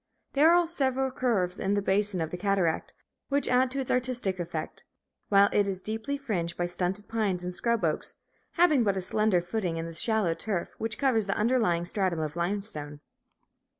There are several curves in the basin of the cataract, which add to its artistic effect, while it is deeply fringed by stunted pines and scrub oaks, having but a slender footing in the shallow turf which covers the underlying stratum of limestone.